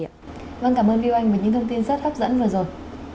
vâng cảm ơn lưu anh với những thông tin rất hấp dẫn vừa rồi